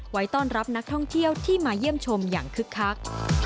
ไว้ต้อนรับนักท่องเที่ยวที่มาเยี่ยมชมอย่างคึกคัก